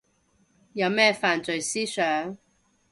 有咩犯罪思想